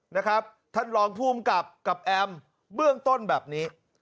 นะครับท่านรองภูมิกับกับแอมเบื้องต้นแบบนี้